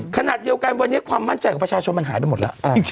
ขณะเดียวกันวันนี้ความมั่นใจของประชาชนมันหายไปหมดแล้ว